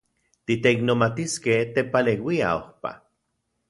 Titeiknomatiskej tepaleuia ojpa.